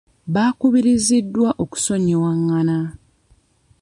Baakubiriziddwa okusonyiwagana.